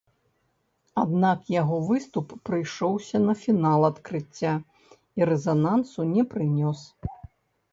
Аднак яго выступ прыйшоўся на фінал адкрыцця і рэзанансу не прынёс.